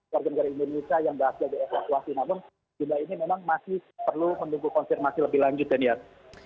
warga negara indonesia yang sudah di eksplosif namun jumlah ini memang masih perlu menunggu konfirmasi lebih lanjut daniel